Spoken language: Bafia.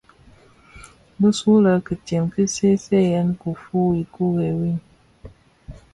Bisulè kitsen ki seeseeyèn dhifuu ikure wu.